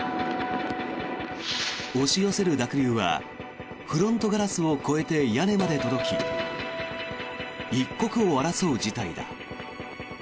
押し寄せる濁流はフロントガラスを越えて屋根まで届き一刻を争う事態だ。